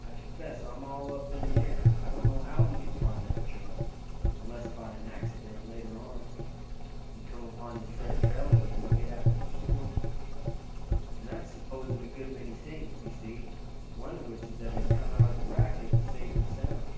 I confess I'm all up in the air. I don't know how we can find our chum, unless by an accident, later on, we came upon his fresh trail again, made after the storm. And that's supposing a good many things, you see, one of which is that he's come out of the racket safe and sound."